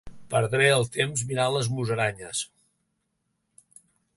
Perdré el temps mirant les musaranyes.